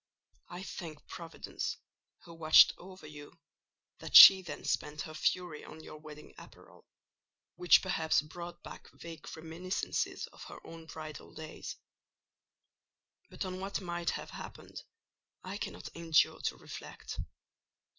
I thank Providence, who watched over you, that she then spent her fury on your wedding apparel, which perhaps brought back vague reminiscences of her own bridal days: but on what might have happened, I cannot endure to reflect.